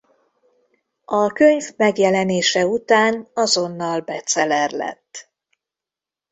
A könyv megjelenése után azonnal bestseller lett.